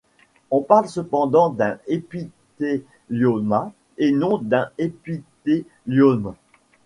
On parle cependant d'un épithélioma et non d'un épithéliome.